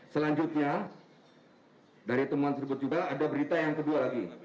selanjutnya dari temuan tersebut juga ada berita yang kedua lagi